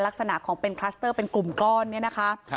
ลักษณะของเป็นคลัสเตอร์เป็นกลุ่มก้อนเนี่ยนะคะ